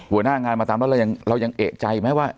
หัวหน้างานมาตามแล้วเรายังเอกใจไหมว่า